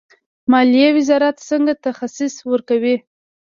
مالیې وزارت څنګه تخصیص ورکوي؟